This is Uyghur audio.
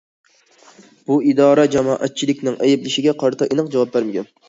بۇ ئىدارە جامائەتچىلىكنىڭ ئەيىبلىشىگە قارىتا ئېنىق جاۋاب بەرمىگەن.